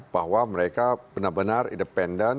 bahwa mereka benar benar independen